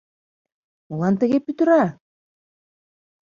Молан тыге пӱтыра?